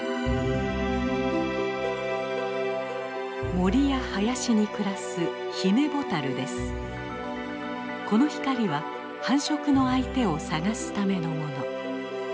森や林に暮らすこの光は繁殖の相手を探すためのもの。